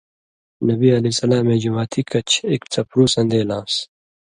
نبی علیہ السلامے جُماتھی کَچھ اک څپرُو سن٘دېلان٘س